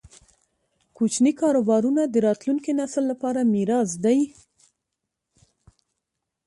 کوچني کاروبارونه د راتلونکي نسل لپاره میراث دی.